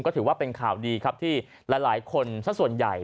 ก็ถือว่าเป็นข่าวดีครับที่หลายคนสักส่วนใหญ่